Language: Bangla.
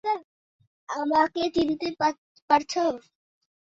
আমাকে চিনতে পারছ?